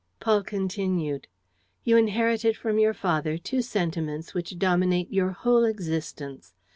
Paul continued: "You inherited from your father two sentiments which dominate your whole existence.